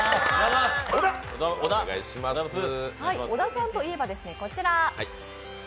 小田さんといえば、こちら。